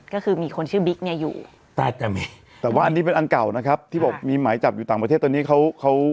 ก็คือมีคนชื่อบิ๊กเนี่ยอยู่ใต้แต่เมแต่ว่าอันนี้เป็นอันเก่านะครับที่บอกมีหมายจับอยู่ต่างประเทศตอนนี้เขาเขา